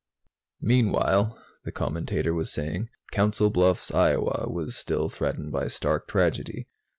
"Meanwhile," the commentator was saying, "Council Bluffs, Iowa, was still threatened by stark tragedy.